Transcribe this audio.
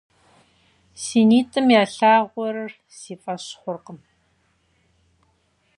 Си нитӀым ялъагъур си фӀэщ хъуркъым.